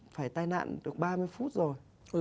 phải tai nạn được ba mươi phút rồi